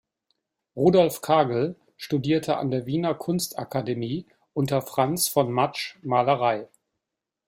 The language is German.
Rudolf Kargl studierte an der Wiener Kunstakademie unter Franz von Matsch Malerei.